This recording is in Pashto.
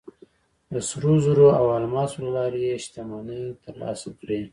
د سرو زرو او الماسو له لارې یې شتمنۍ ترلاسه کړې.